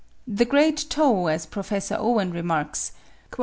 The great toe, as Professor Owen remarks (19.